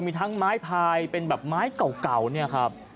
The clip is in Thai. มีทั้งไม้พลายเป็นแบบไม้เก่า